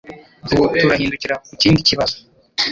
Ubu turahindukira kukindi kibazo